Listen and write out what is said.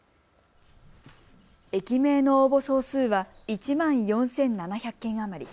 駅名の応募総数は１万４７００件余り。